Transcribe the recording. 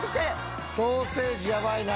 ソーセージヤバいな。